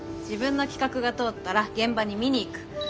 自分の企画が通ったら現場に見に行く。